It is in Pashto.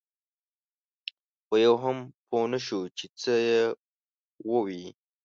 خو یو هم پوی نه شو چې څه یې ووې.